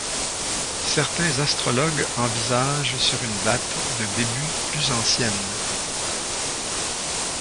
Certains astrologues envisagent sur une date de début plus ancienne.